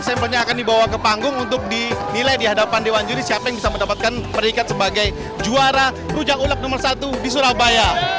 sampelnya akan dibawa ke panggung untuk dinilai di hadapan dewan juri siapa yang bisa mendapatkan peringkat sebagai juara rujak ulek nomor satu di surabaya